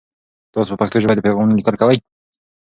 تاسو په پښتو ژبه د پیغامونو لیکل کوئ؟